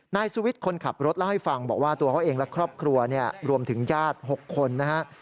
นายสุวิทย์คนขับรถเล่าให้ฟังบอกว่าตัวเขาเองและครอบครัวเนี่ยรวมถึงญาติ๖คนนะครับ